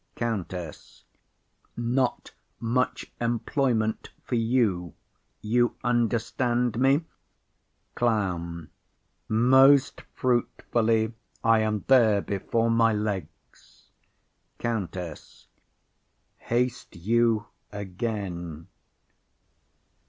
COUNTESS. Not much employment for you. You understand me? CLOWN. Most fruitfully. I am there before my legs. COUNTESS. Haste you again.